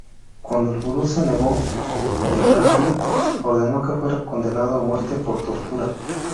Cuando el Gurú se negó, Jahangir ordenó que fuera condenado a muerte por tortura.